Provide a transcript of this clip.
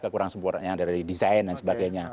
kekurang sempurna dari desain dan sebagainya